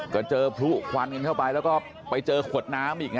ก็เจอพลุควันกันเข้าไปแล้วก็ไปเจอขวดน้ำอีก